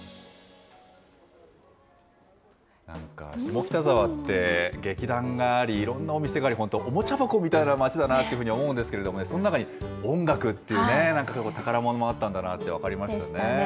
なんか下北沢って、劇団があり、いろんなお店があり、本当、おもちゃ箱みたいな町だなって思うんですけれどもね、その中に音楽っていうね、なんかこれも宝物があったんだなって分かりましたね。ですね。